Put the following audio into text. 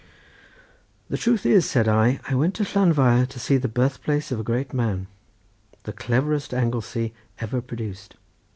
"The truth is," said I, "I went to Llanfair to see the birth place of a great man—the cleverest Anglesey ever produced."